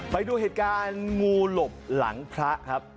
ไปดูเหตุการณ์งูหลบหลังพระครับ